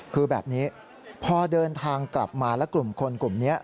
คือแบบนี้พอเดินทางกลับมาแล้วกลุ่มคนกลุ่มนี้